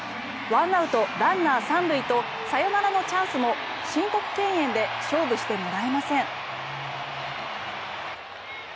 １アウト、ランナー３塁とサヨナラのチャンスも申告敬遠で勝負してもらえません。